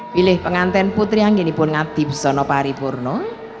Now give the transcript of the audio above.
wilih pengantin putri anggini pun ngati buzono paripurno